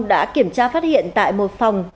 đã kiểm tra phát hiện tại một phòng